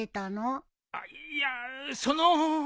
あっいやその。